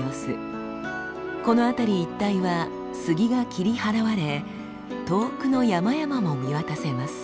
この辺り一帯は杉が切り払われ遠くの山々も見渡せます。